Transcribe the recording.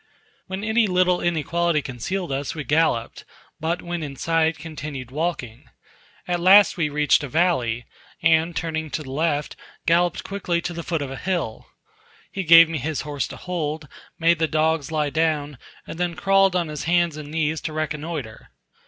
When any little inequality concealed us, we galloped; but when in sight, continued walking. At last we reached a valley, and turning to the left, galloped quickly to the foot of a hill; he gave me his horse to hold, made the dogs lie down, and then crawled on his hands and knees to reconnoitre.